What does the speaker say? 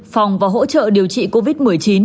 phòng và hỗ trợ điều trị covid một mươi chín